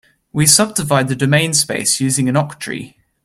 We subdivide the domain space using an octree.